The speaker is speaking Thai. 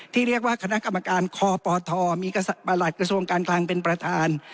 ที่เรียกว่าคณะกรรมการคปทมีประหลัดกระทรวงการคลังเป็นประธาน